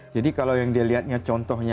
jadi kalau yang dilihatnya contohnya